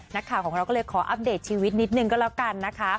นักข่าวของเราก็เลยขออัปเดตชีวิตนิดนึงก็แล้วกันนะคะ